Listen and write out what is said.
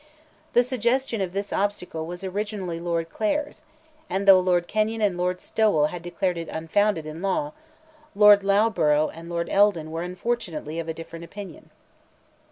The suggestion of this obstacle was originally Lord Clare's; and though Lord Kenyon and Lord Stowell had declared it unfounded in law, Lord Loughborough and Lord Eldon were unfortunately of a different opinion.